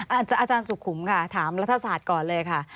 อาจารย์สุขุมค่ะถามรัฐศาสตร์ก่อนเลยค่ะ